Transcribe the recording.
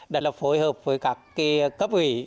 đã lập phối hợp với các cấp ủy